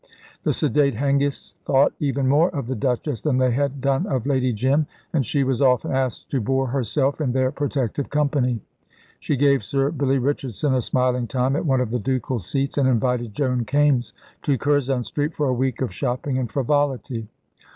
The sedate Hengists thought even more of the Duchess than they had done of Lady Jim, and she was often asked to bore herself in their protective company. She gave Sir Billy Richardson a smiling time at one of the ducal seats, and invited Joan Kaimes to Curzon Street for a week of shopping and frivolity.